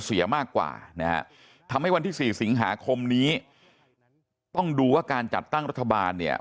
เสียมากกว่านะฮะทำให้วันที่สี่สิงหาคมนี้ต้องดูว่าการจัดตั้งรัฐบาลเนี่ย